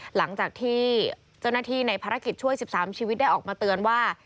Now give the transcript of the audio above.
หลังจากที่เจ้าหน้าที่ในภารกิจช่วย๑๓ชีวิตได้ออกมาเตือนว่า